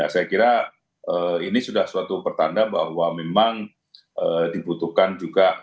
saya kira ini sudah suatu pertanda bahwa memang dibutuhkan juga